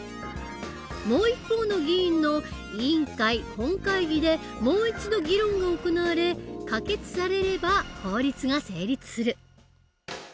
もう一方の議員の委員会本会議でもう一度議論が行われ可決されれば法律が成立する。